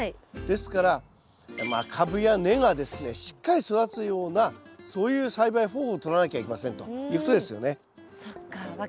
ですからまあ株や根がですねしっかり育つようなそういう栽培方法をとらなきゃいけませんということですよね。